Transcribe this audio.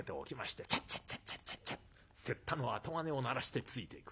せったの後金を鳴らしてついていく。